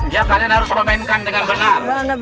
ya kalian harus permainkan dengan benar